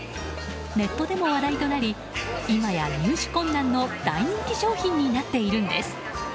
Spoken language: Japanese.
ネットでも話題となり今や入手困難の大人気商品となっているんです。